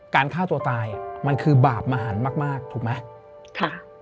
การฆ่าตัวตายมันคือบาปมหันมากมากถูกไหมค่ะ